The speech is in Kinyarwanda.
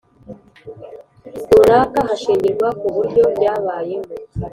runaka hashingirwa ku buryo ryabayemo